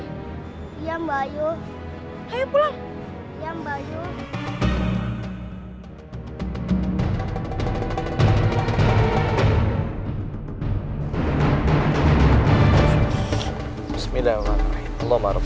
iya mbak yuk